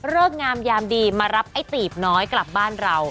งามยามดีมารับไอ้ตีบน้อยกลับบ้านเรา